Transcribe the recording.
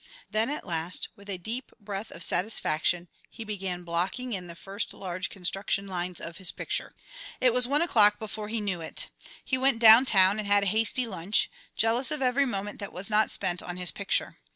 Then at last with a deep breath of satisfaction he began blocking in the first large construction lines of his picture. It was one o'clock before he knew it. He went downtown and had a hasty lunch, jealous of every moment that was not spent on his picture.